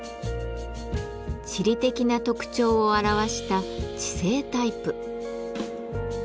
地理的な特徴を表した地勢タイプ。